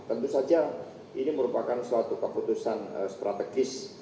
tentu saja ini merupakan suatu keputusan strategis